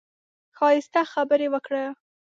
ښايسته خبرې وکړه.